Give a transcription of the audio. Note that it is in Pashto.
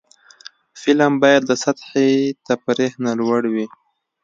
فلم باید له سطحي تفریح نه لوړ وي